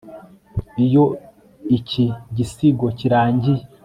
iyo iki gisigo kirangiye